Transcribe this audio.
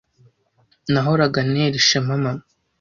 Nahoraga ntera ishema mama.